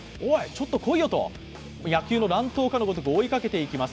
ちょっと来いよと、野球の乱闘さながら追いかけていきます。